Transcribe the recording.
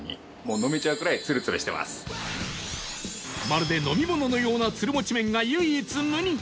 まるで飲み物のようなツルモチ麺が唯一無二！